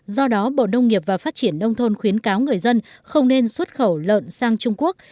do đó bộ nông nghiệp và phát triển nông thôn khuyến cáo người dân không nên xuất khẩu lợn sang trung quốc